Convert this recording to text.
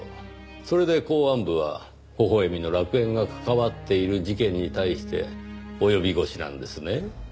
それで公安部は微笑みの楽園が関わっている事件に対して及び腰なんですね。